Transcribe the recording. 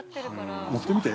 ◆持ってみて。